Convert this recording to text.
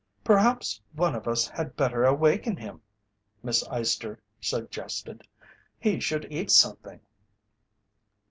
"Perhaps one of us had better awaken him," Miss Eyester suggested. "He should eat something."